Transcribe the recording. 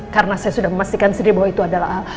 karena saya sudah memastikan sendiri bahwa itu adalah al